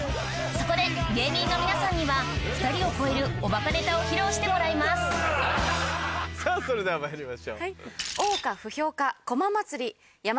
そこで芸人の皆さんには２人を超えるおバカネタを披露してもらいますさぁそれではまいりましょう。